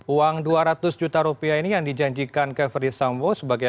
uang dua ratus juta rupiah ini yang dijanjikan ke ferdis sambo sebagai